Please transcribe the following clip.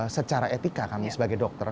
secara etika kami sebagai dokter